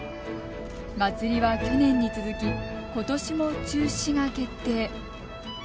祭りは去年に続きことしも中止が決定。